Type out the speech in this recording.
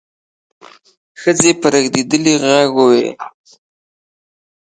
ښځې په رېږدېدلي غږ وويل: